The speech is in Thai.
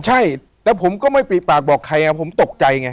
ใช่แต่ผมก็ไม่ปริปากบอกใครผมตกใจไง